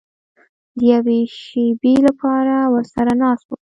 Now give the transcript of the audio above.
د یوې شېبې لپاره ورسره ناست وم.